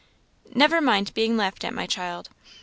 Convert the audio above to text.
"Never mind being laughed at, my child.